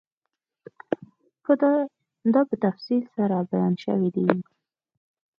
دا په تفصیل سره بیان شوی دی